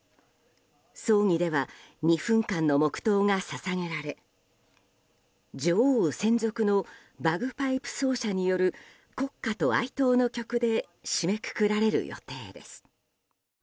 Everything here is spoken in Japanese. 葬儀では２分間の黙祷が捧げられ女王専属のバグパイプ奏者による国歌と哀悼の曲で締めくくられる予定です。